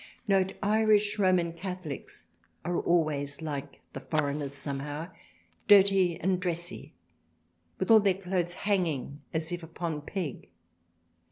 (Note, Irish Roman Catholics are always like the foreigners somehow, dirty and dressy with all their Clothes hanging as if upon Peg.)